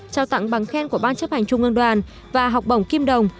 trao tặng bằng khen của ban chấp hành trung ương đoàn và học bổng kim đồng